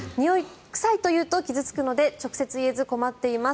臭いというと傷付くので直接言えず困っています